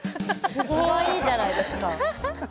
かわいいじゃないですか。